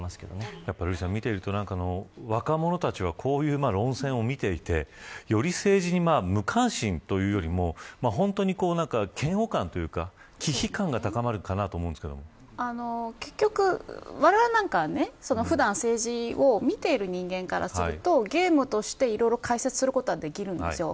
瑠麗さん、見ていると若者たちはこういう論戦を見ていてより政治に無関心というよりも本当に嫌悪感というか忌避感が高まるかな結局われわれは普段政治を見ている人間からするとゲームとしていろいろ解説することはできるんですよ。